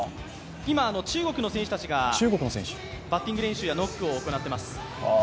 今、中国の選手たちがバッティング練習やノックを行っています。